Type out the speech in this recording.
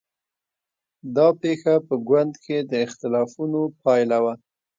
دا پېښه په ګوند کې د اختلافونو پایله وه.